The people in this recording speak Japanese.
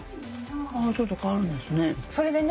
あちょっと変わるんですね。